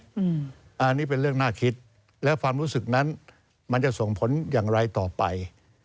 อันนี้เป็นเรื่องน่าคิดและความรู้สึกนั้นมันจะส่งผลอย่างไรต่อไป